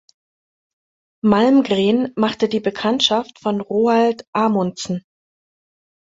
Malmgren machte die Bekanntschaft von Roald Amundsen.